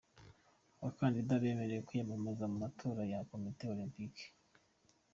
Abakandida bemerewe kwiyamamaza mu matora ya Komite Olempike.